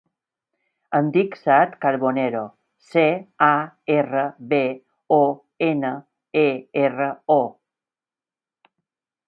Em dic Saad Carbonero: ce, a, erra, be, o, ena, e, erra, o.